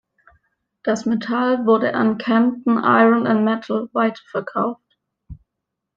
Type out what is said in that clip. Das Metall wurde an "Camden Iron and Metal" weiterverkauft.